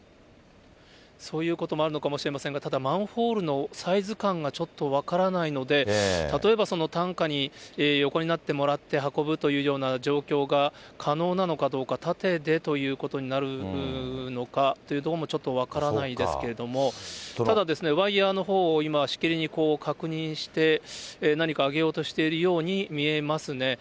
そういうこともあるのかもしれませんが、ただ、マンホールのサイズ感がちょっと分からないので、例えば、その担架に横になってもらって運ぶというような状況が可能なのかどうか、縦でということになるのかというところも、どうもちょっと分からないですけども、ただワイヤーのほうを今、しきりに確認して、何か上げようとしているように見えますね。